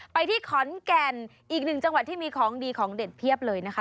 ไปที่ขอนแก่นอีกหนึ่งจังหวัดที่มีของดีของเด็ดเพียบเลยนะคะ